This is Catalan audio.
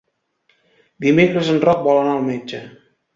Dimecres en Roc vol anar al metge.